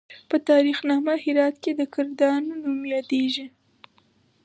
په تاریخ نامه هرات کې د کردانو نوم یادیږي.